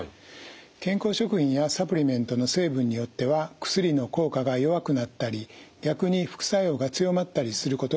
健康食品やサプリメントの成分によっては薬の効果が弱くなったり逆に副作用が強まったりすることがあり